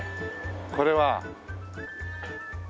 これは。